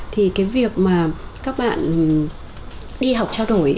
thì cái việc mà các bạn đi học trao đổi